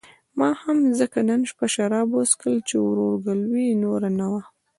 ما هم ځکه نن شپه شراب وڅښل چې ورورګلوي نوره نه وه.